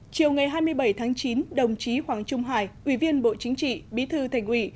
chiều ngày hai mươi bảy tháng chín đồng chí hoàng trung hải ủy viên bộ chính trị bí thư thành ủy